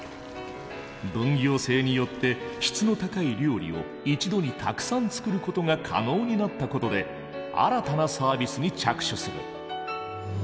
分業制によって質の高い料理を一度にたくさん作ることが可能になったことで新たなサービスに着手する。